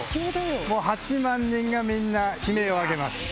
もう８万人がみんな悲鳴を上げます。